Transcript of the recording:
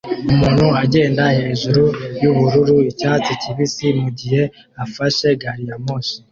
Umuntu agenda hejuru yubururu-icyatsi kibisi mugihe afashe gari ya moshi